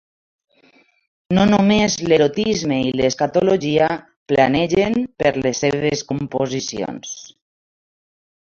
No només l'erotisme i l'escatologia planegen per les seves composicions.